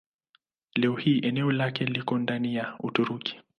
Leo hii eneo lake liko ndani ya Uturuki.